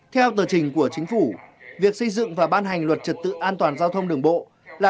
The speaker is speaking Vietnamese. theo tờ trình của chính phủ việc xây dựng và ban hành luật trật tự an toàn giao thông đường bộ là